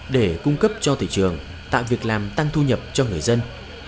để cung cấp cho thị trường tạo việc làm tăng thu nhập cho người dân